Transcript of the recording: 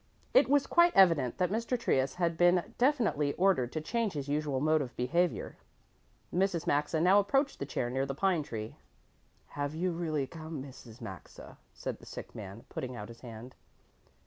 It was quite evident that Mr. Trius had been definitely ordered to change his usual mode of behaviour. Mrs. Maxa now approached the chair near the pine tree. "Have you really come, Mrs. Maxa?" said the sick man, putting out his hand.